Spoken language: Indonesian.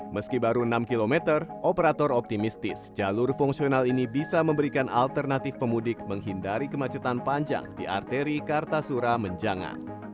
meski baru enam km operator optimistis jalur fungsional ini bisa memberikan alternatif pemudik menghindari kemacetan panjang di arteri kartasura menjangan